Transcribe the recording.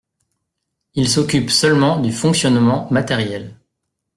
Ils s’occupent seulement du fonctionnement matériel